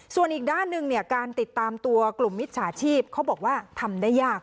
ส่วนอีกด้านหนึ่งเนี่ยการติดตามตัวกลุ่มมิจฉาชีพเขาบอกว่าทำได้ยาก